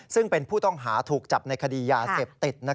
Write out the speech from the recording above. ซึ่งเป็นผู้ต้องหาถูกจับในคดียาเสพติด